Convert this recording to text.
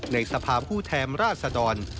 สภาพผู้แทนราชดร